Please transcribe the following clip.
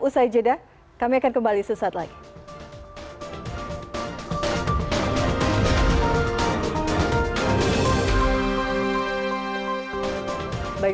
usai jeda kami akan kembali sesaat lagi